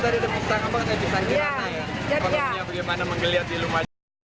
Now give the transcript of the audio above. tadi terpustang apa saya bisa kirana ya